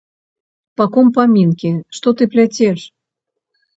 Па ком памінкі, што ты пляцеш?